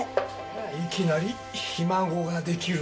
いきなりひ孫ができるとは。